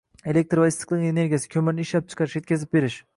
elektr va issiqlik energiyasi, ko‘mirni ishlab chiqarish, yetkazib berish